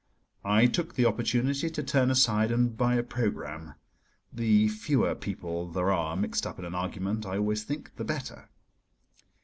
I took the opportunity to turn aside and buy a programme: the fewer people there are mixed up in an argument, I always think, the better.